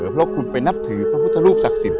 เพราะคุณไปนับถือพระพุทธรูปศักดิ์สิทธิ